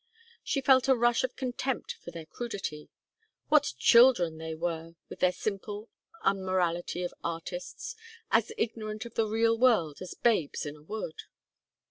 She felt a rush of contempt for their crudity. What children they were with their simple unmorality of artists, as ignorant of the real world as babes in a wood!